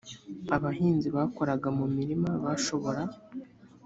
abahinzi bakoraga mu mirima bashobora